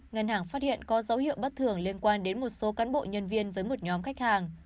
ngân hàng phát hiện có dấu hiệu bất thường liên quan đến một số cán bộ nhân viên với một nhóm khách hàng